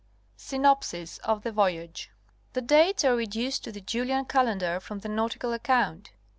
SYNOPSIS OF THE VOYAGE: The dates are reduced to the Julian calendar from the nautical account.